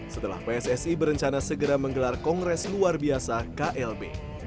setelah pssi berencana segera menggelar kongres luar biasa klb